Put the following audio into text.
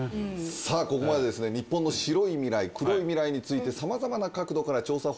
さあここまで日本の白い未来黒い未来について様々な角度から調査報告してきました。